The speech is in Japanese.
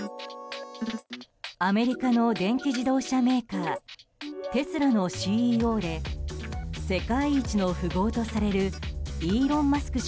アメリカの電気自動車メーカーテスラのＣＥＯで世界一の富豪とされるイーロン・マスク